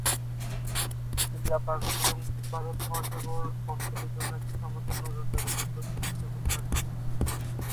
Japan শ্রীলঙ্কায় ভারত মহাসাগর অঞ্চলের জন্য একটি সামুদ্রিক নজরদারি কেন্দ্র প্রতিষ্ঠা করতে আগ্রহী।